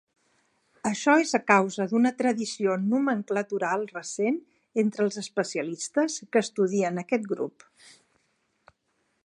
Això és a causa d'una tradició nomenclatural recent entre els especialistes que estudien aquest grup.